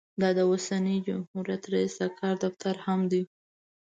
دا د اوسني جمهور رییس د کار دفتر هم دی.